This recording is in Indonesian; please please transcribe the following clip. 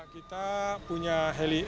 kita punya helikopter